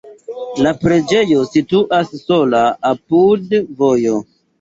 La preĝejo situas sola apud vojo.